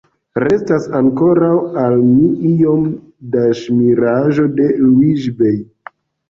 Restas ankoraŭ al mi iom da ŝmiraĵo de Luiĝi-bej.